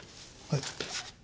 はい。